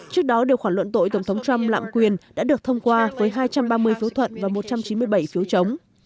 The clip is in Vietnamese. trước đó điều khoản luận tội tổng thống trump lạm quyền đã được thông qua với hai trăm ba mươi phiếu thuận và một trăm chín mươi bảy phiếu chống